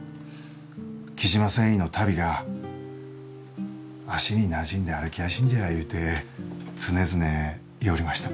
雉真繊維の足袋が足になじんで歩きやしんじゃいうて常々言ようりました。